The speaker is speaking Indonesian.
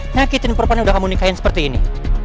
nyakitin perempuannya udah kamu nikahin seperti ini